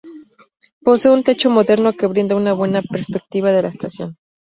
Posee un techo moderno que brinda una buena perspectiva de la estación.